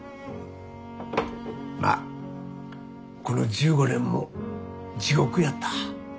まあこの１５年も地獄やった。